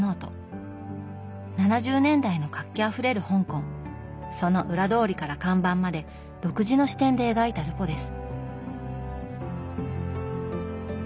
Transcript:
７０年代の活気あふれる香港その裏通りから看板まで独自の視点で描いたルポです。